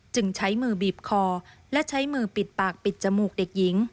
จึงใช้มือบีบคอและใช้มือปิดปากปิดจมูกเด็กหญิง